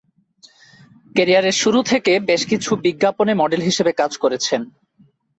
ক্যারিয়ারের শুরু থেকে বেশ কিছু বিজ্ঞাপনে মডেল হিসেবে কাজ করেছেন।